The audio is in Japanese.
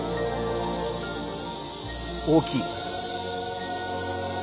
大きい。